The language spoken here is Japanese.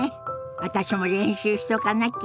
私も練習しとかなきゃ。